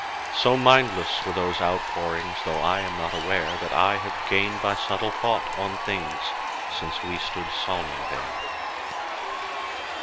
So mindless were those outpourings!— Though I am not aware That I have gained by subtle thought on things Since we stood psalming there.